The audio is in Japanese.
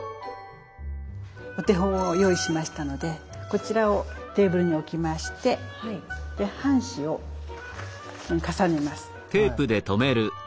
お手本を用意しましたのでこちらをテーブルに置きまして半紙を重ねます。